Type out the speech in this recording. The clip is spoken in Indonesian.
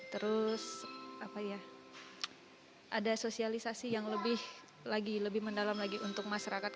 terus ada sosialisasi yang lebih mendalam lagi untuk masyarakat